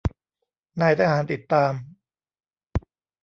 นายทหารติดตาม